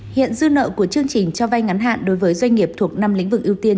hiện dư nợ của chương trình cho vay ngắn hạn đối với doanh nghiệp thuộc năm lĩnh vực ưu tiên